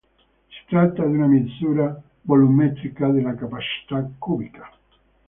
Si tratta di una misura volumetrica della capacità cubica.